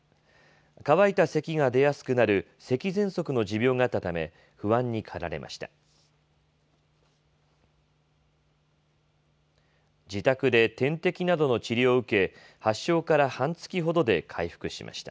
乾いたせきが出やすくなる、せきぜんそくの持病があったため、不安にかられました。